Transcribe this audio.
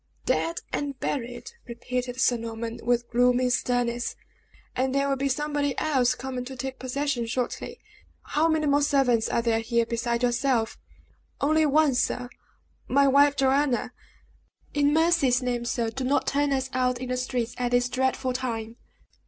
"Dead and buried!" repeated Sir Norman, with gloomy sternness, "and there will be somebody else coming to take possession shortly. How many more servants are there here beside yourself?" "Only one, sir my wife Joanna. In mercy's name, sir, do not turn us out in the streets at this dreadful time!"